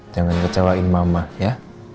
jangan kecewain mama ya